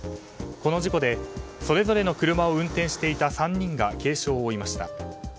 この事故で、それぞれの車を運転していた３人が軽傷を負いました。